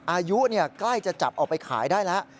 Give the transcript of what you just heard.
อายุใกล้จะจับออกไปขายได้แล้ว